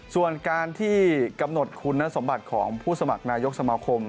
ส่วนการที่กำหนดคุณสมบัติของผู้สมัครนายกสมาคม